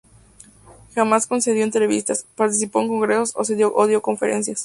Jamás concedió entrevistas, participó en congresos o dio conferencias.